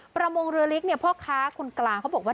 ประมงเรือเล็กเนี่ยพ่อค้าคนกลางเขาบอกว่า